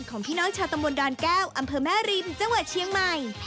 ของพี่น้องชาวตำบลดอนแก้วอำเภอแม่ริมจังหวัดเชียงใหม่